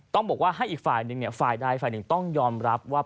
ต้องบอกว่าให้อีกฝ่ายหนึ่งต้องยอมรับว่า